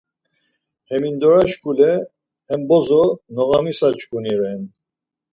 Hemindora şkule he bozo noğamisa çkuni ren.